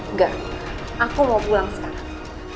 enggak aku mau pulang sekarang